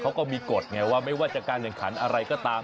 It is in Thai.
เขาก็มีกฎไงว่าไม่ว่าจะการแข่งขันอะไรก็ตาม